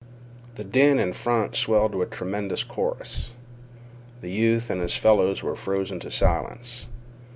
The din in front swelled to a tremendous chorus. The youth and his fellows were frozen to silence.